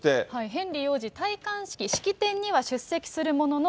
ヘンリー王子、戴冠式式典には出席するものの、